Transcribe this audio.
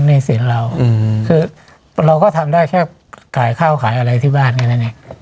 หนี้สินเราคือเราก็ทำได้แค่ขายข้าวขายอะไรที่บ้านแค่นั้นเอง